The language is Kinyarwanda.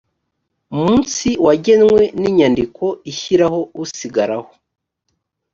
munsi wagenwe n inyandiko ishyiraho usigaraho